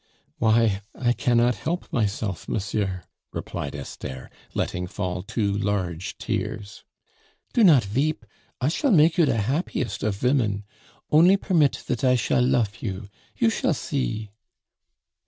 "Why, I cannot help myself, monsieur," replied Esther, letting fall two large tears. "Do not veep. I shall make you de happiest of vomen. Only permit that I shall lof you you shall see."